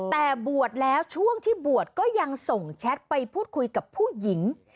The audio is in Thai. แต่บวชแล้วช่วงที่บวชก็ยังส่งแชทไปพูดคุยกับผู้หญิง